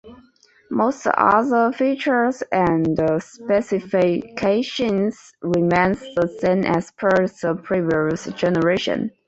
Most other features and specifications remained the same as per the previous generation.